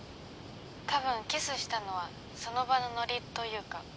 多分キスしたのはその場のノリというか。